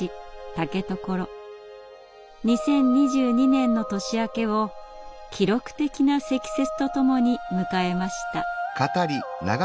２０２２年の年明けを記録的な積雪とともに迎えました。